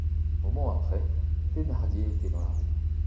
Un moment après, Thénardier était dans la rue.